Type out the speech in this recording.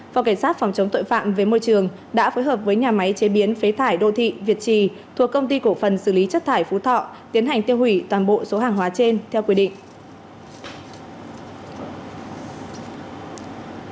phòng cảnh sát phòng chống tội phạm với môi trường đã phối hợp với nhà máy chế biến phế thải đô thị việt trì thuộc công ty cổ phần xử lý chất thải phú thọ tiến hành tiêu hủy toàn bộ số hàng hóa trên theo quy định